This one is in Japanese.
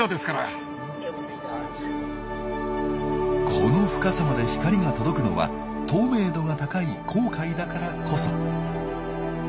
この深さまで光が届くのは透明度が高い紅海だからこそ。